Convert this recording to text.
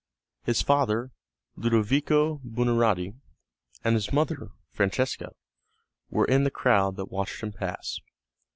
His father, Ludovico Buonarotti, and his mother, Francesca, were in the crowd that watched him pass.